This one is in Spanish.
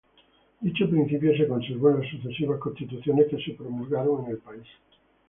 Dicho principio se conservó en las sucesivas constituciones que se promulgaron en el país.